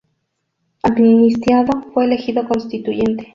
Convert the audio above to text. Amnistiado, fue elegido constituyente.